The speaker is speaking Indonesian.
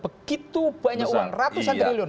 begitu banyak uang ratusan triliun